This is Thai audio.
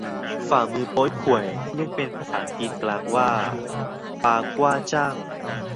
ฝ่ามือโป๊ยข่วย เรียกเป็นภาษาจีนกลางว่า ปากว้าจ่าง